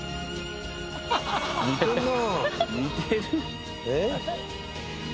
似てんな。